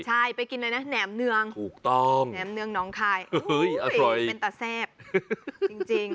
ใช่ไปกินเลยนะแหน่มเนืองแหน่มเนืองนองคายเป็นตาแซ่บจริง